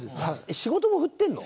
仕事も振ってるの？